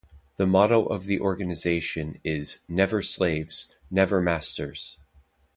The motto of the organization is Never Slaves, Never Masters!